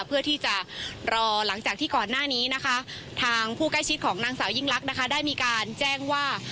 เพื่อที่จะรอหลังจากที่ก่อนหน้านี้นะคะทางผู้ใกล้ชิดของนางสาวยิ่งลักษณ์นะคะได้มีการแจ้งว่า